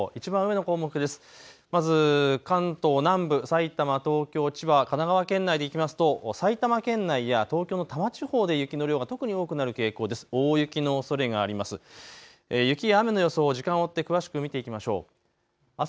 まず関東南部、埼玉、東京、千葉、神奈川県内でいきますと埼玉県内や東京の多摩地方で雪の量が特に多くなる傾向です。